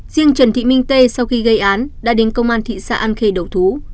riêng trần thị minh tê sau khi gây án đã đến công an thị xã an khê đầu thú